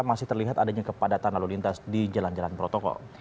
masih terlihat adanya kepadatan lalu lintas di jalan jalan protokol